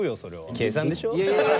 計算でしょ？